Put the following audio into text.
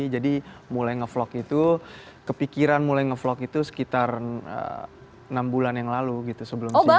jadi mulai nge vlog itu kepikiran mulai nge vlog itu sekitar enam bulan yang lalu gitu sebelum si games